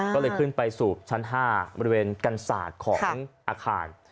ก็เลยขึ้นไปสู่ชั้น๕บริเวณกันศาสตร์ของอาคาร